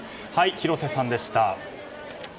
広瀬さんでした。